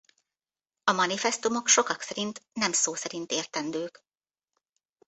A manifesztumok sokak szerint nem szó szerint értendők.